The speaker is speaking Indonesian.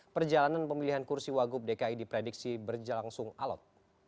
perjalanan pemilihan kursi wagub dki diprediksi berjalan sung alot